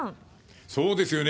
そうですよね。